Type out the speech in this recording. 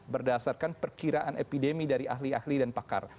berdasarkan perkiraan epidemi dari ahli ahli dan pakar